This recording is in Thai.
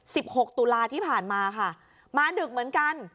หกตุลาที่ผ่านมาค่ะมาดึกเหมือนกัน